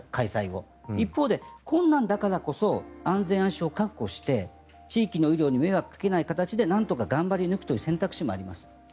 一方で困難だからこそ安心安全を確保して地域の医療に迷惑をかけない形でなんとか頑張り抜くという形もあります。